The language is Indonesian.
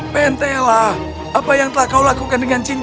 pentela apa yang telah kau lakukan dengan cincinku